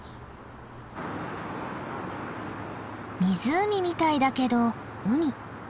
湖みたいだけど海。